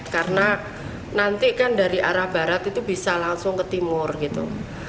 karena nanti kan dari arah barat itu bisa langsung ke timur gitu